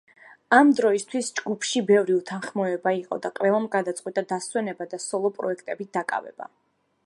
ამ დროისთვის ჯგუფში ბევრი უთანხმოება იყო და ყველამ გადაწყვიტა დასვენება და სოლო პროექტებით დაკავება.